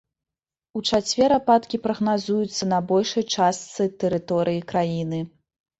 У чацвер ападкі прагназуюцца на большай частцы тэрыторыі краіны.